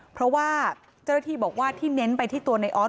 เพราะว่าเจ้าหน้าที่บอกว่าที่เน้นไปที่ตัวในออส